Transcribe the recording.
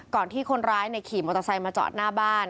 ที่คนร้ายขี่มอเตอร์ไซค์มาจอดหน้าบ้าน